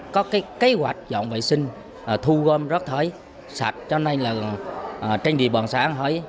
có kế hoạch dọn vệ sinh thu gom rất sạch cho nên là trên địa bàn xã hải